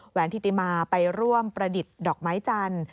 แหนธิติมาไปร่วมประดิษฐ์ดอกไม้จันทร์